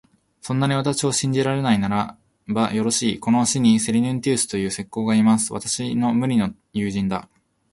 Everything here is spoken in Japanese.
そんなに私を信じられないならば、よろしい、この市にセリヌンティウスという石工がいます。私の無二の友人だ。